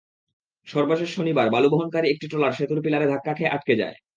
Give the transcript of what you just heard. সর্বশেষ শনিবার বালু বহনকারী একটি ট্রলার সেতুর পিলারে ধাক্কা খেয়ে আটকে যায়।